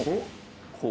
こう。